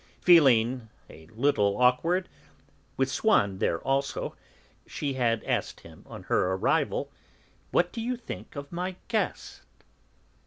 Feeling a little awkward, with Swann there also, she had asked him on her arrival: "What do you think of my guest?"